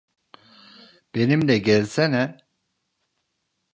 Benimle gelsene.